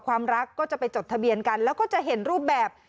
ความรักก็จะไปจดทะเบียนกันแล้วก็จะเห็นรูปแบบ